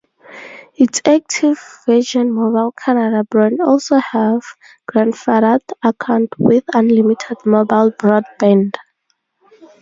Its active Virgin Mobile Canada brand also have grandfathered accounts with unlimited mobile broadband.